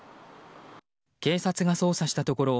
警察が捜査したところ